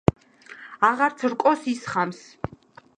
აღარც რკოს ისხამს .